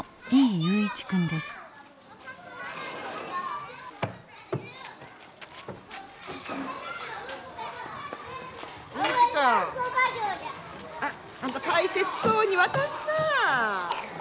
雄一君あんた大切そうに渡すな。